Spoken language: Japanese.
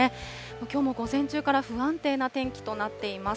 きょうも午前中から不安定な天気となっています。